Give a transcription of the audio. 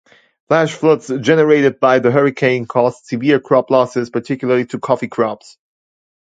Flash floods generated by the hurricane caused severe crop losses, particularly to coffee crops.